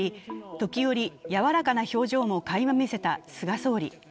時折、柔らかな表情もかいま見せた菅総理。